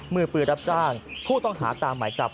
มือปืนรับจ้างผู้ต้องหาตามหมายจับ